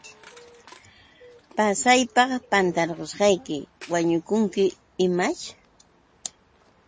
Pasaypaq pantarusayki, ¿wañukunki imaćh?